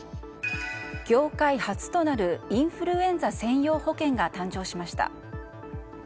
業界初となるインフルエンザ専用保険が誕生しました。